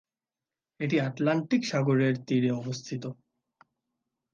এটি আটলান্টিক সাগরের তীরে অবস্থিত।